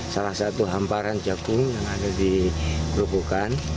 salah satu hamparan jagung yang ada di gerobokan